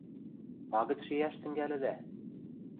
Магӹц шиӓш тӹнгӓлӹдӓ?